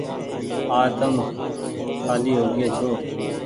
آج تم ڪآلي هوگيئي ڇو ۔